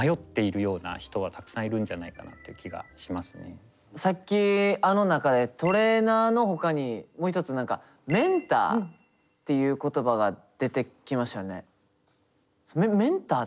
結構こうやっぱさっきあの中でトレーナーのほかにもう一つ何かメンターっていう言葉が出てきましたよね。